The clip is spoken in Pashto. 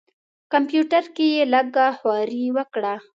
کمپیوټر کې یې لږه خواري وکړه.